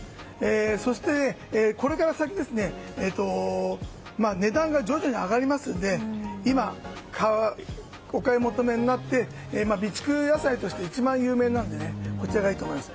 そして、これから先値段が徐々に上がりますので今、お買い求めになって備蓄野菜として一番有名なのでこちらがいいと思います。